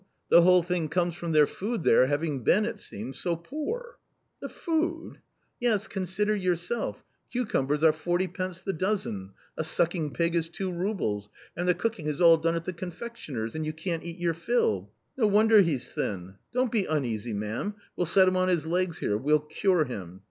The whole thing comes from their food there having been, it seems, so poor." " The food ?"" Yes, consider yourself, cucumbers are forty pence the dozen, a sucking pig is two roubles, and the cooking is all done at the confectioner's — and you can't eat your fill. No wonder he's thin ! Don't be uneasy, ma'am, we'll set him on his legs here, we'll cure him.